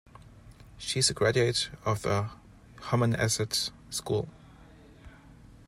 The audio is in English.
She is a graduate of the Hammonasset School.